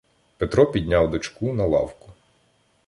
Петро підняв дочку на лавку.